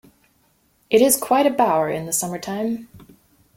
It is quite a bower in the summer-time.